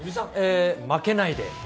負けないで。